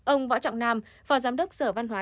ông võ trọng nam phó giám đốc sở văn hóa